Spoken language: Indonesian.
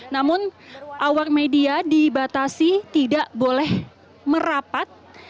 namun awak media dibatasi tidak boleh merapat